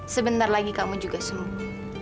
sebentar lagi kamu juga sembuh